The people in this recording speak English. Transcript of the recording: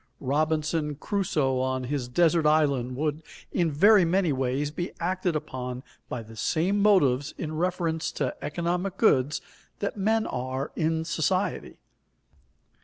Robinson Crusoe on his desert island would in very many ways be acted upon by the same motives in reference to economic goods that men are in society.